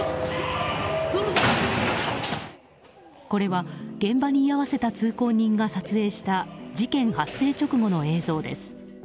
これは、現場に居合わせた通行人が撮影した事件発生直後の映像です。